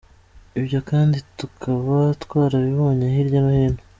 Ibyo kandi tukaba twarabibonye hirya no hino.